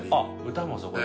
歌もそこで？